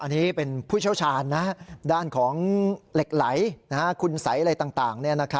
อันนี้เป็นผู้เชี่ยวชาญด้านของเหล็กไหลคุณสัยอะไรต่าง